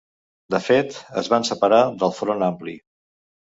De fet, es van separar del Front Ampli.